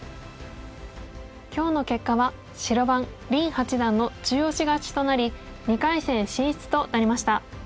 今日の結果は白番林八段の中押し勝ちとなり２回戦進出となりました。